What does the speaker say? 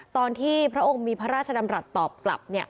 ตอนที่พระองค์มีพระราชดำรัฐตอบกลับ